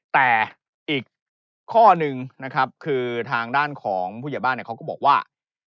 แต่อีกข้อนึงนะครับคือทางด้านของผู้ใหญ่บ้านเขาก็บอกว่า